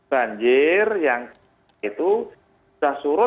kemudian kalau sore menjelang dan kemarin kalau pagi mah surut